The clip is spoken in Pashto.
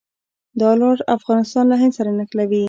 دا لار افغانستان له هند سره نښلوي.